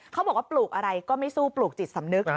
เขาบอกว่าปลูกอะไรก็ไม่สู้ปลูกจิตสำนึก